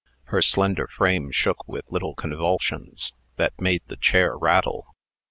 Her slender frame shook with little convulsions, that made the chair rattle.